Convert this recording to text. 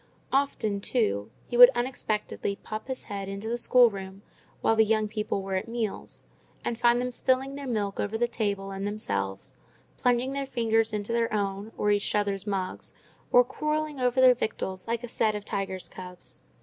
Often, too, he would unexpectedly pop his head into the schoolroom while the young people were at meals, and find them spilling their milk over the table and themselves, plunging their fingers into their own or each other's mugs, or quarrelling over their victuals like a set of tiger's cubs.